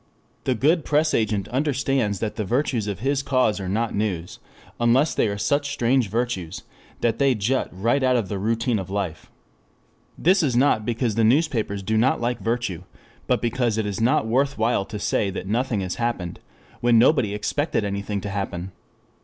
3 The good press agent understands that the virtues of his cause are not news, unless they are such strange virtues that they jut right out of the routine of life. This is not because the newspapers do not like virtue, but because it is not worth while to say that nothing has happened when nobody expected anything to happen.